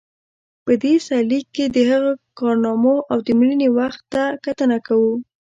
په دې سرلیک کې د هغه کارنامو او د مړینې وخت ته کتنه کوو.